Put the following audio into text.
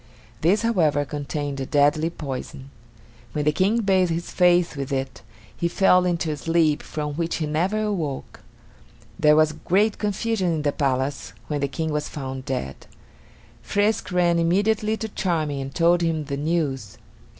This, however, contained a deadly poison. When the King bathed his face with it, he fell into a sleep from which he never awoke. There was great confusion in the palace when the King was found dead. Frisk ran immediately to Charming and told him the news.